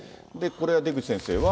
これは出口先生は。